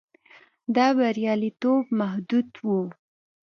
دا بریالیتوب محدود و.